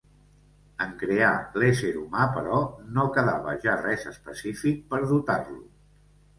En crear l'ésser humà, però, no quedava ja res específic per dotar-lo.